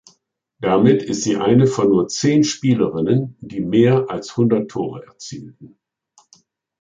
Damit ist sie eine von nur zehn Spielerinnen, die mehr als hundert Tore erzielten.